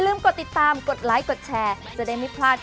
ดุดยอดนะ